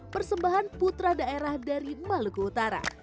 persembahan putra daerah dari maluku utara